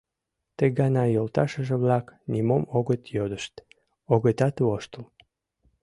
Ты гана йолташыже-влак нимом огыт йодышт, огытат воштыл.